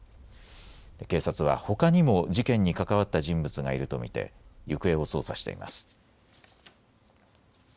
警察はほかにも事件に関わった人物がいると見て行方を捜査しています。